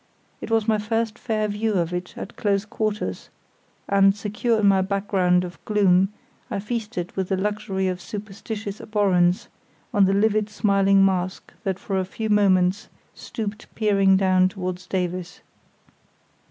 It was my first fair view of it at close quarters, and, secure in my background of gloom, I feasted with a luxury of superstitious abhorrence on the livid smiling mask that for a few moments stooped peering down towards Davies.